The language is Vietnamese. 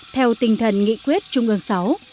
theo tinh thần nghị quyết trung ương sáu